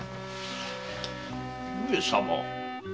上様